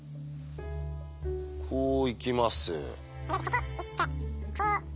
こう行きます。